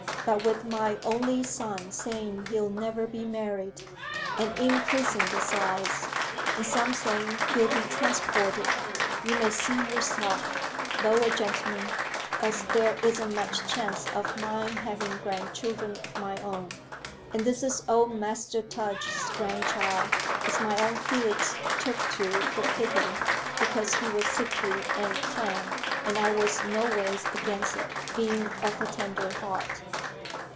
But with my only son saying he'll never be married, and in prison besides, and some saying he'll be transported, you may see yourself though a gentleman as there isn't much chance of my having grandchildren of my own. And this is old Master Tudge's grandchild, as my own Felix took to for pity because he was sickly and clemm'd, and I was noways against it, being of a tender heart.